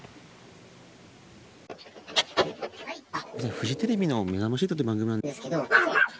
フジテレビのめざまし８という番組なんですけど。